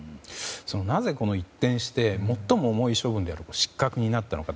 なぜ、一転して最も重い処分である失格になったのか。